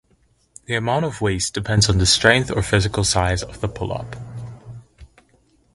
The amount of waste depends on the strength, or physical size, of the pull-up.